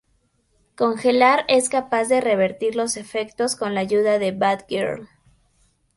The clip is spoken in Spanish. Congelar es capaz de revertir los efectos con la ayuda de Batgirl.